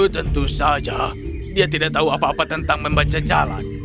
tentu saja dia tidak tahu apa apa tentang membaca jalan